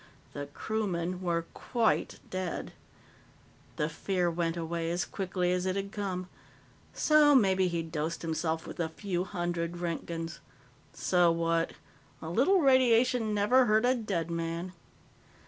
The crewmen were quite dead. The fear went away as quickly as it had come. So maybe he'd dosed himself with a few hundred Roentgens so what? A little radiation never hurt a dead man.